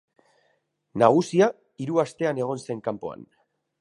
Nagusia hiru astean egon zen kanpoan.